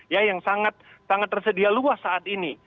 ya yang sangat tersedia luas saat ini